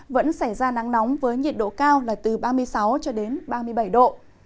vẫn xảy ra nắng nóng với nhiệt độ cao từ ba mươi sáu ba mươi bảy độ